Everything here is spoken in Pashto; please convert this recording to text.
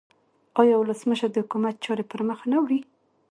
آیا ولسمشر د حکومت چارې پرمخ نه وړي؟